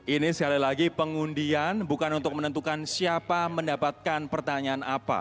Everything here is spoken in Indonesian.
ini sekali lagi pengundian bukan untuk menentukan siapa mendapatkan pertanyaan apa